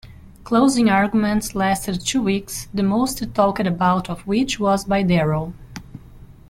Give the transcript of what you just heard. Closing arguments lasted two weeks, the most talked about of which was by Darrow.